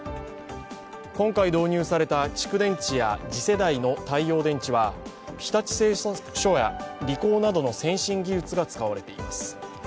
今回導入された蓄電池や次世代の太陽電池は、日立製作所やリコーなどの先進技術が使われています。